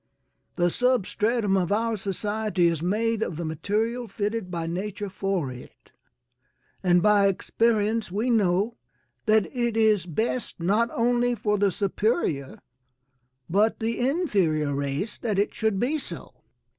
The substratum of our society is made of the material fitted by nature for it, and by experience we know that it is best not only for the superior, but the inferior race that it should be so.